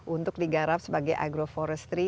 untuk digarap sebagai agroforestry